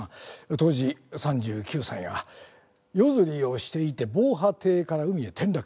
当時３９歳が夜釣りをしていて防波堤から海へ転落。